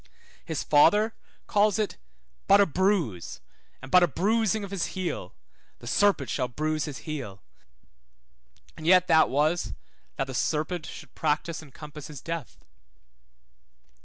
His Father calls it but a bruise, and but a bruising of his heel 3131 Gen. 3:15. (the serpent shall bruise his heel), and yet that was, that the serpent should practise and compass his death.